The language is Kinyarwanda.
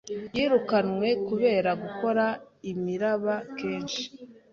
Yirukanwe kubera gukora imiraba kenshi.